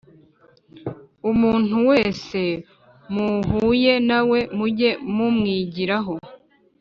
umuntu wese muhuye na we muge mumwigiraho,